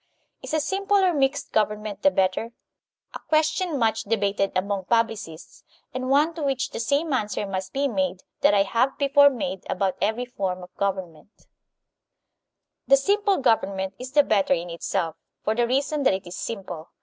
Is a simple or mixed government the better ? A ques tion much debated among publicists, and one to which the same answer must be made that I have before made about every form of government. RELATIVITY OP FORMS OF GOVERNMENT 69 The simple government is the better in itself, for the reason that it is simple.